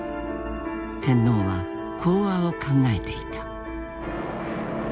天皇は講和を考えていた。